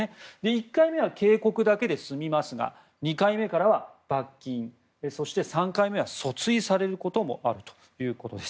１回目は警告だけで済みますが２回目からは罰金そして３回目からは訴追されることもあるということです。